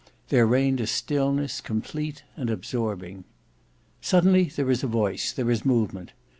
There reigned a stillness complete and absorbing. Suddenly there is a voice, there is movement.